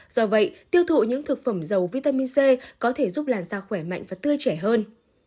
do vậy tiêu thụ những thực phẩm dầu vitamin c có thể giúp làn da khỏe mạnh và tươi trẻ hơn